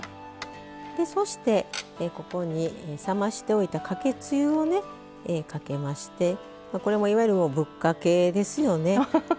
そして、ここに冷ましておいたかけつゆをかけましてこれも、いわゆるぶっかけですよね。